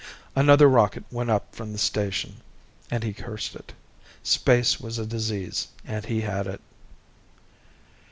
Another rocket went up from the station, and he cursed it. Space was a disease, and he had it.